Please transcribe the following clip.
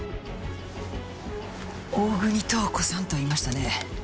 大國塔子さんと言いましたね。